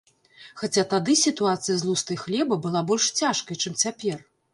Хаця тады сітуацыя з лустай хлеба была больш цяжкай, чым цяпер.